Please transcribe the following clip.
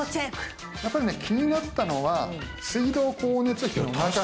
やっぱりね気になったのは水道光熱費の中のね電気代。